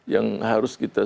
yang harus kita